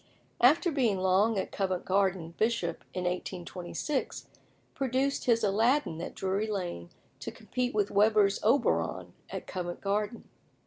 After being long at Covent Garden, Bishop, in 1826, produced his "Aladdin" at Drury Lane to compete with Weber's "Oberon" at Covent Garden.